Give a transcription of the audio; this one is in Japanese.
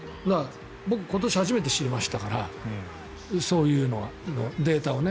僕、今年初めて知りましたからそういうデータをね。